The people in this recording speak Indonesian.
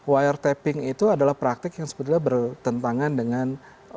wiretaping itu adalah praktik yang sebetulnya bertentangan dengan